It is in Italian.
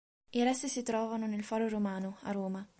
I resti si trovano nel Foro Romano, a Roma.